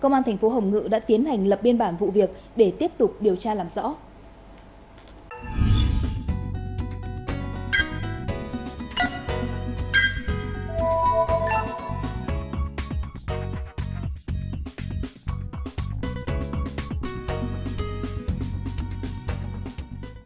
công an thành phố hồng ngự đã tiến hành lập biên bản vụ việc để tiếp tục điều tra làm rõ đến phường an thạnh thì dừng xe bỏ trốn để lại phương tiện